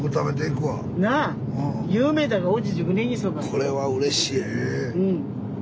これはうれしい。